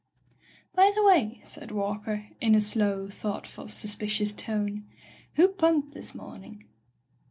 "By the way," said Walker, in a slow, thoughtful, suspicious tone, "who pumped this morning?"